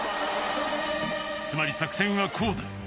つまり作戦はこうだ